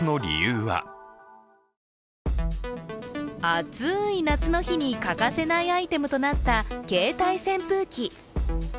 暑い夏の日に欠かせないアイテムとなった携帯扇風機。